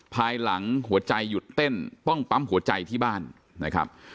ภายหลังหัวใจหยุดเต้นต้องปั๊มหัวใจที่บ้านนะครับ